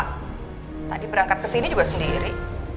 tadi berangkat kesini juga sendiri